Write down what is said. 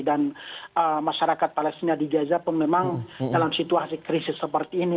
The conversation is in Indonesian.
dan masyarakat palestina di gaza pun memang dalam situasi krisis seperti ini